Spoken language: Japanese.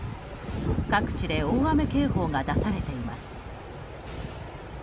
各地で大雨警報が出されています。